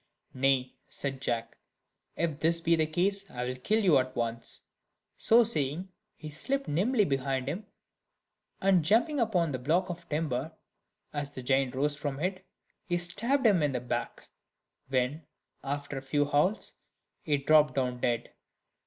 "Nay," said Jack, "if this be the case, I will kill you at once." So saying, he slipped nimbly behind him, and jumping upon the block of timber, as the giant rose from it, he stabbed him in the back; when, after a few howls, he dropped down dead.